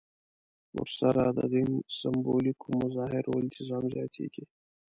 ورسره د دین سېمبولیکو مظاهرو التزام زیاتېږي.